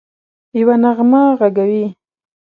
یوه نغمه ږغوي